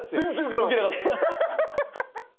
ウケなかった。